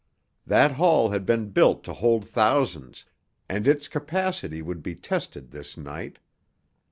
That hall had been built to hold thousands, and its capacity would be tested this night.